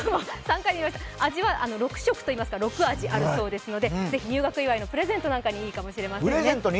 味は６色といいますか６味あるそうでぜひ入学祝のプレゼントなんかにいいですね。